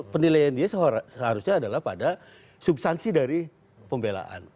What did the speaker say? penilaian dia seharusnya adalah pada substansi dari pembelaan